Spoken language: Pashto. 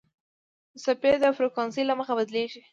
څپې د فریکونسۍ له مخې بدلېږي.